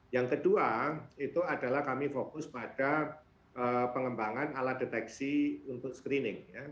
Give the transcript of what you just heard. yang kedua itu adalah kami fokus pada pengembangan alat deteksi untuk screening